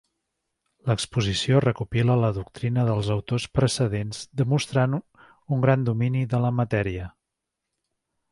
L'exposició recopila la doctrina dels autors precedents demostrant un gran domini de la matèria.